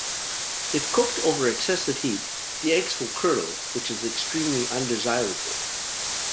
If cooked over excessive heat, the eggs will curdle, which is extremely undesirable.